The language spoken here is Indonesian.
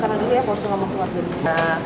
apalagi aku ditanyain aku mau kesana dulu ya